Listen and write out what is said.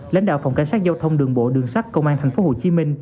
lãnh đạo phòng cảnh sát giao thông đường bộ đường sắt công an tp hcm